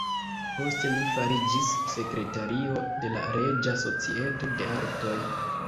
Poste li fariĝis sekretario de la Reĝa Societo de Artoj.